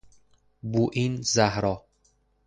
بوئین زهرا